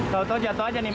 tau tau jatuh aja nih pak